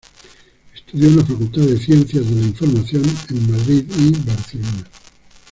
Estudió en la Facultad de Ciencias de la Información en Madrid y Barcelona.